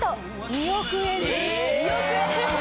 ２億円！？